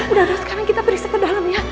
udah udah sekarang kita berisik kedalam ya